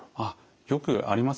よくあります。